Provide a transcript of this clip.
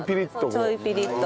ちょいピリッと。